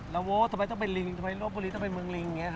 ละโว๊ะทำไมต้องเป็นลิงทำไมโลบบุรีต้องเป็นเมืองลิง